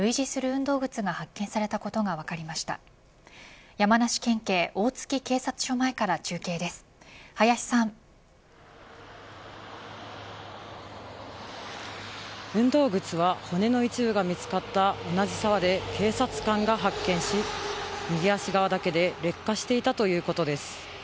運動靴は骨の一部が見つかった同じ沢で警察官が発見し右足側だけで劣化していたということです。